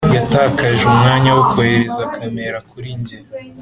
yatakaje umwanya wo kohereza kamera kuri njye.